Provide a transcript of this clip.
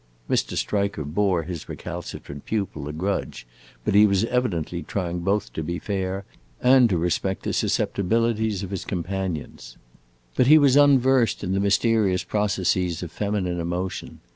Mr. Striker bore his recalcitrant pupil a grudge, but he was evidently trying both to be fair and to respect the susceptibilities of his companions. But he was unversed in the mysterious processes of feminine emotion.